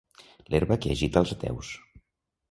L'herba que agita els ateus.